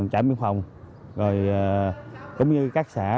trải biên phòng rồi cũng như các xã